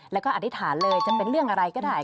แล้วก็อธิษฐานเลยจะเป็นเรื่องอะไรก็ได้